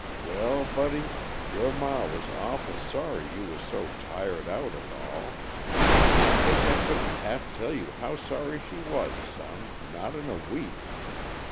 Well, Buddy, your ma was awful sorry you was so tired out and all. I guess I couldn't half tell you how sorry she was, son, not in a week.